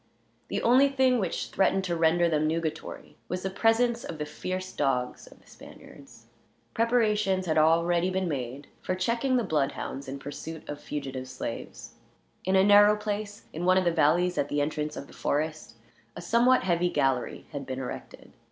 The only thing which threatened to render them nugatory was the presence of the fierce dogs of the Spaniards. Preparations had already been made for checking the bloodhounds in pursuit of fugitive slaves. In a narrow place, in one of the valleys at the entrance of the forest, a somewhat heavy gallery had been erected.